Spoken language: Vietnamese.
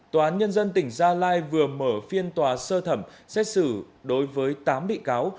tòa án nhân dân tỉnh gia lai vừa mở phiên tòa sơ thẩm xét xử đối với tám bị cáo